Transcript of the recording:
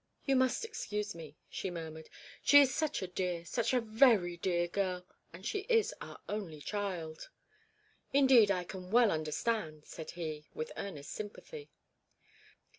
'You must excuse me,' she murmured, 'she is such a dear such a very dear girl, and she is our only child.' 'Indeed, I can well understand,' said he, with earnest sympathy.